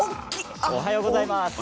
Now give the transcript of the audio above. おはようございます。